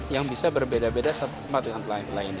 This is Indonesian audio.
yang bisa berbeda beda sama dengan lain lain